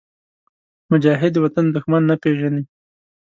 مجاهد د وطن دښمن نه پېژني.